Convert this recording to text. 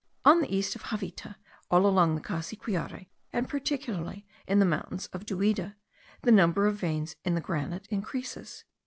On the east of Javita, all along the Cassiquiare, and particularly in the mountains of Duida, the number of veins in the granite increases.